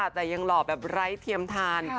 แต่ยังหล่อแบบไร้เทียมทาน